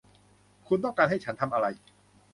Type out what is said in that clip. คุณต้องการให้ฉันทำอะไร ?